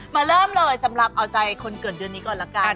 มาเริ่มเลยสำหรับเอาใจคนเกิดเดือนนี้ก่อนละกัน